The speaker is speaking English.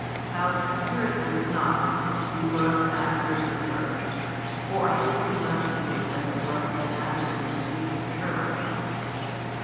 How the Spirit was not, we must accurately search; for I think we must deem that the blessed Evangelist speaketh true.